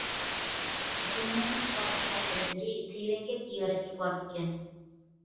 ياپونىيەنىڭ سابىق باش ۋەزىرى تەيۋەنگە زىيارەتكە بارىدىكەن.